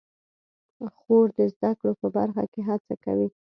خور د زده کړو په برخه کې هڅه کوي.